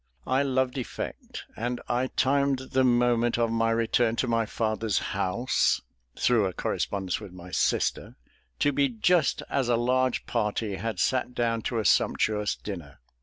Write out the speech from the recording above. I loved effect; and I timed the moment of my return to my father's house (through a correspondence with my sister) to be just as a large party had sat down to a sumptuous dinner.